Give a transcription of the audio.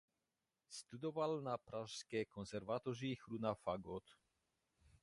Studoval na Pražské konzervatoři hru na fagot.